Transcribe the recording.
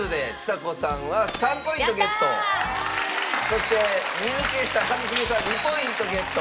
そして２抜けした一茂さん２ポイントゲット。